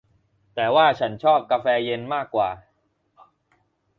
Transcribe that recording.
แต่ว่าฉันชอบกาแฟเย็นมากกว่า